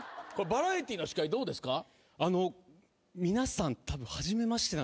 バラエティーの司会どうですか？